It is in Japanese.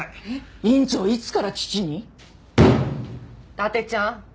伊達ちゃん